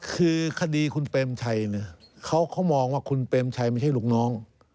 คือคดีคุณเปรมชัยเนี่ยเขามองว่าคุณเปรมชัยไม่ใช่ลูกน้อง